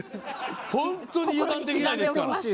本当に油断できないです。